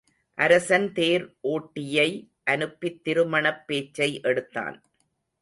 அரசன் தேர் ஒட்டியை அனுப்பித் திருமணப் பேச்சை எடுத்தான்.